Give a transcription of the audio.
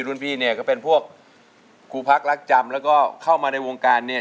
รุ่นพี่เนี่ยก็เป็นพวกครูพักรักจำแล้วก็เข้ามาในวงการเนี่ย